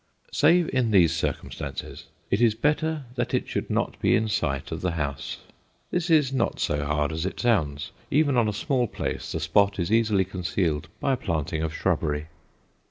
Save in these circumstances, it is better that it should not be in sight of the house. This is not so hard as it sounds; even on a small place, the spot is easily concealed by a planting of shrubbery.